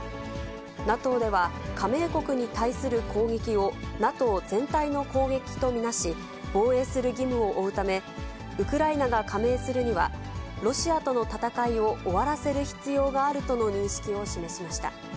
ＮＡＴＯでは、加盟国に対する攻撃をＮＡＴＯ全体の攻撃と見なし、防衛する義務を負うため、ウクライナが加盟するには、ロシアとの戦いを終わらせる必要があるとの認識を示しました。